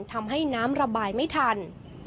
ทำให้น้ำระบายไม่ทัน